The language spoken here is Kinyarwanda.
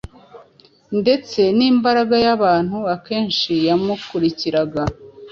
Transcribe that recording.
Ndetse n’imbaga y’abantu akenshi yamukurikiraga,